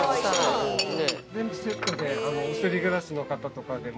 ◆全部セットで、お一人暮らしの方とかでも。